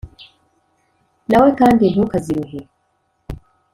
Na we kandi ntukaziruhe,